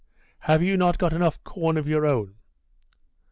"Have you not got enough corn of your own?"